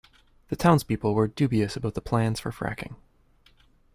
The townspeople were dubious about the plans for fracking